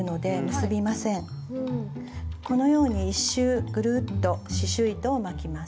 このように１周ぐるっと刺しゅう糸を巻きます。